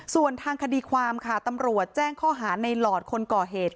ส่วนทางคดีความค่ะตำรวจแจ้งข้อหาในหลอดคนก่อเหตุ